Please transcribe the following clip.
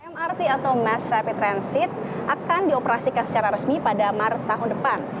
mrt atau mass rapid transit akan dioperasikan secara resmi pada maret tahun depan